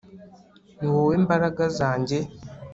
ni wowe mbaraga zanjye